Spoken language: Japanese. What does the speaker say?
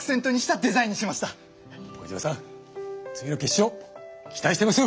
次の決勝期待してますよ！